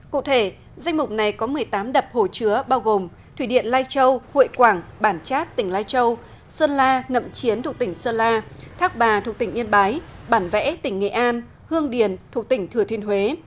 cụ thể danh mục này có một mươi tám đập hồ chứa bao gồm thủy điện lai châu hội quảng bản chát tỉnh lai châu sơn la nậm chiến thuộc tỉnh sơn la thác bà thuộc tỉnh yên bái bản vẽ tỉnh nghệ an hương điền thuộc tỉnh thừa thiên huế